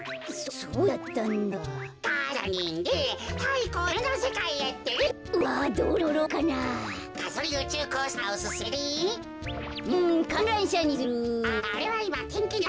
そそうだったんだ。